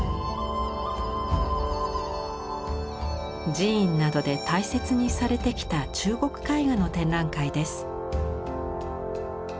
寺院などで大切にされてきた中国絵画の展覧会です。